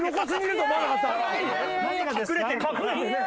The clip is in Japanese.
隠れてね。